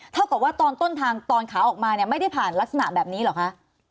เท่ากับว่าตอนต้นทางตอนขาออกมาเนี่ยไม่ได้ผ่านลักษณะแบบนี้เหรอคะ